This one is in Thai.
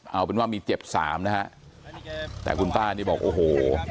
เอาเป็นว่ามีเจ็บสามนะฮะแต่คุณป้านี่บอกโอ้โห